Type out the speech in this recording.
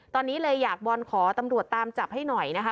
ตอนนี้เลยอยากบอลขอตำรวจตามจับให้หน่อยนะคะ